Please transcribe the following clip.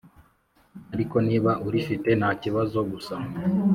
ariko niba urifite ntakibazo gusa